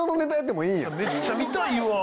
めっちゃ見たいわ。